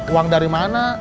uang dari mana